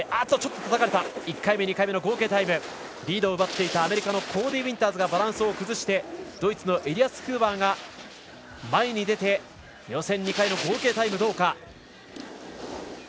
１回目、２回目の合計タイムでリードを奪っていたアメリカのコーディー・ウィンターズがバランスを崩してドイツのエリアス・フーバーが前に出て予選２回の合計タイムはどうか。